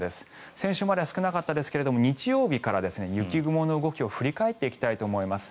先週までは少なかったんですが日曜日から雪雲の動きを振り返っていきたいと思います。